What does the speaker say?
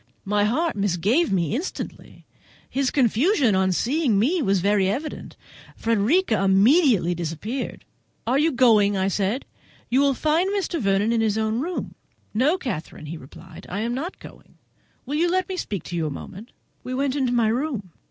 My heart misgave me instantly. His confusion at seeing me was very evident. Frederica immediately disappeared. "Are you going?" I said; "you will find Mr. Vernon in his own room." "No, Catherine," he replied, "I am not going. Will you let me speak to you a moment?" We went into my room.